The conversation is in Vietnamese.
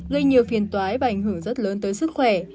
gây nhiều phiền toái và ảnh hưởng rất lớn tới sức khỏe